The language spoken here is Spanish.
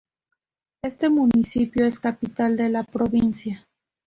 Este municipio es capital de la provincia.